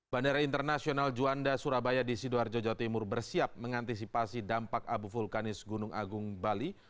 bandara internasional juanda surabaya di sidoarjo jawa timur bersiap mengantisipasi dampak abu vulkanis gunung agung bali